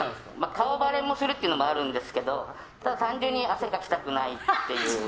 顔バレするっていうのもあるんですけど単純に汗かきたくないっていう。